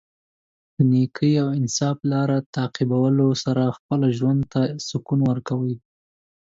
د نېکۍ او انصاف لار تعقیبولو سره خپله ژوند ته سکون ورکوي.